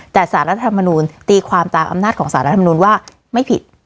แต่สารรัฐธรรมนูลตีความตามอำนาจของสารรัฐมนุนว่าไม่ผิด